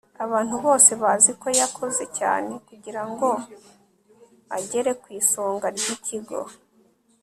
abantu bose bazi ko yakoze cyane kugirango agere ku isonga ryikigo